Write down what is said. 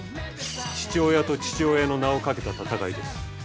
父親と父親の名をかけた戦いです。